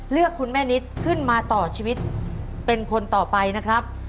เลือกคุณแม่นิดขึ้นมาต่อชีวิตเป็นคนต่อไปนะครับ